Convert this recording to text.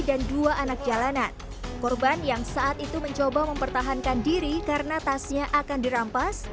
dan dua anak jalanan korban yang saat itu mencoba mempertahankan diri karena tasnya akan dirampas